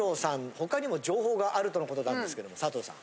他にも情報があるとの事なんですけども佐藤さん。